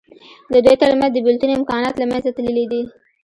د دوی تر منځ د بېلتون امکانات له منځه تللي دي.